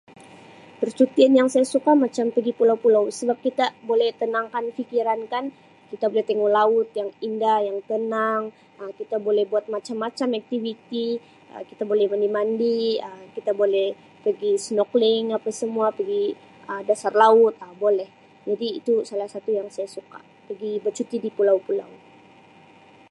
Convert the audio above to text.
Percutian yang saya suka macam pegi pulau-pulau sebab kita boleh tenangkan fikiran kan, kita boleh tengok laut yang indah, yang tenang, Um kita boleh buat macam-macam aktiviti, Um kita boleh mandi-mandi, Um kita boleh pegi snorkeling apa semua pegi Um dasar laut Um boleh jadi itu salah satu yang saya suka pegi bercuti di pulau-pulau.